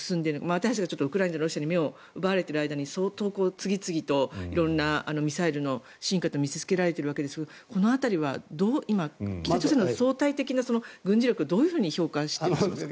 私たちがウクライナ、ロシアに目を奪われている間に相当、次々と色んなミサイルの進化を見せつけられてるわけですがこの辺りは今、北朝鮮相対的な軍事力をどういうふうに評価していくんですか。